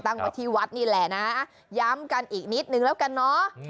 ไว้ที่วัดนี่แหละนะย้ำกันอีกนิดนึงแล้วกันเนาะ